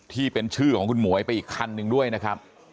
ที่เป็นชื่อของคุณหมวยไปอีกคันหนึ่งด้วยนะครับ